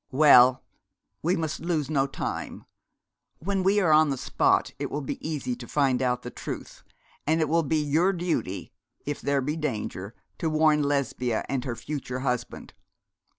'Well, we must lose no time. When we are on the spot it will be easy to find out the truth; and it will be your duty, if there be danger, to warn Lesbia and her future husband.